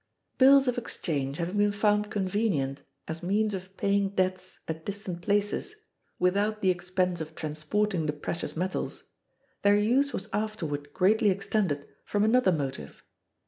Bills of exchange having been found convenient as means of paying debts at distant places without the expense of transporting the precious metals, their use was afterward greatly extended from another motive.